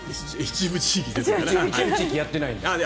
一部地域やってないので。